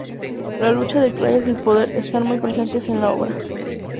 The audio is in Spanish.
La lucha de clases y el poder están muy presentes en la obra.